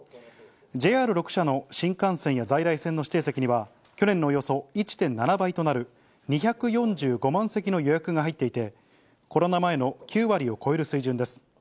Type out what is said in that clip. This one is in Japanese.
ＪＲ６社の新幹線や在来線の指定席には、去年のおよそ１．７倍となる２４５万席の予約が入っていて、コロナ前の９割を超える水準です。